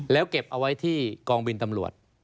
แล้วเก็บเอาไว้ที่กองบินตำรวจ